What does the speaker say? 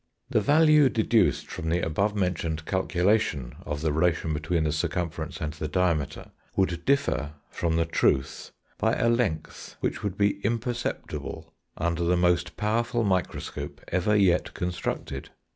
The value deduced from the above mentioned calculation of the relation between the circumference and the diameter would differ from the truth by a length which would be imperceptible under the most powerful microscope ever yet constructed.